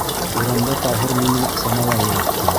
Урамда Таһир мине санала йөрөттө.